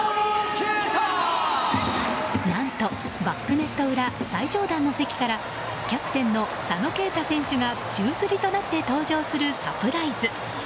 何と、バックネット裏最上段の席からキャプテンの佐野恵太選手が宙づりとなって登場するサプライズ。